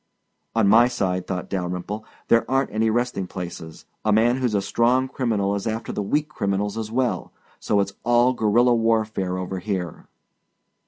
On my side, thought Dalyrimple, there aren't any resting places; a man who's a strong criminal is after the weak criminals as well, so it's all guerilla warfare over here.